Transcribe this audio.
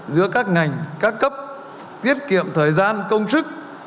giữa các ngành các cấp tiết kiệm thời gian công sức